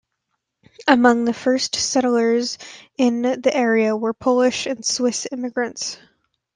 Among the first settlers in the area were Polish and Swiss immigrants.